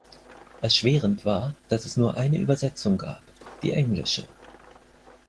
Erschwerend war, dass es nur eine Übersetzung gab, die englische.